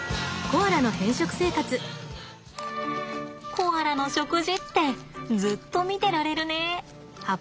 コアラの食事ってずっと見てられるね。